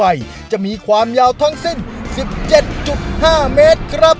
แล้ววันนี้ผมมีสิ่งหนึ่งนะครับเป็นตัวแทนกำลังใจจากผมเล็กน้อยครับ